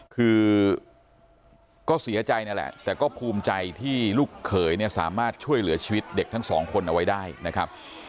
คือก็เสียใจนั่นแหละแต่ก็ภูมิใจที่ลูกเขยเนี่ยสามารถช่วยเหลือชีวิตเด็กทั้งสองคนเอาไว้ได้นะครับ